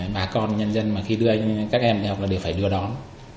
bà con nhân dân mà khi đưa các em đi học là đều phải đưa đón